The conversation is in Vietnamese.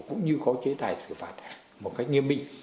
cũng như có chế tài xử phạt một cách nghiêm minh